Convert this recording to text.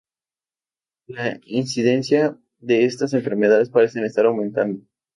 La incidencia de estas enfermedades parece estar aumentando.